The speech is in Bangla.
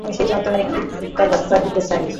আমি সেই যন্ত্রণা ওই কুত্তার বাচ্চাদের দিতে চাই।